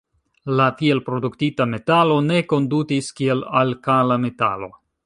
La tiel produktita metalo ne kondutis kiel alkala metalo.